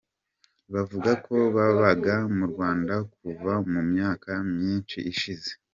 Bavuga ko babaga mu Rwanda kuva mu myaka myinshi ishize.